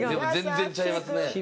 全然違いますね。